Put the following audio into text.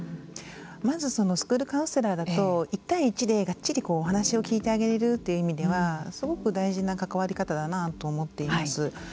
まずスクールカウンセラーだと１対１でがっちりお話を聞いてあげれるという意味ではすごく大事な関わり方だなと思っています。